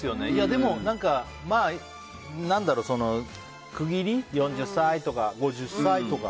でも何だろう区切り４０歳とか、５０歳とか。